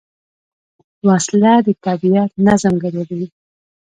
وسله د طبیعت نظم ګډوډوي